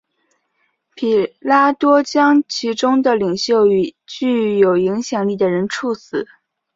彼拉多将其中的领袖与具有影响力的人处死。